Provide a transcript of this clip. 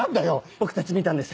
僕たち見たんです！